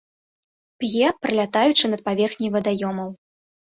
П'е, пралятаючы над паверхняй вадаёмаў.